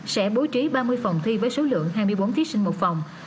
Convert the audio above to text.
sẽ bố trí ba mươi phòng thi với số lượng hai mươi bốn thí sinh một phòng